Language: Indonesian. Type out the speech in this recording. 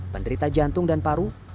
penderita jantung dan paru